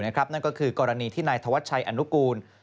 นั่นก็คือกรณีที่นายธวัชชัยอนุกูล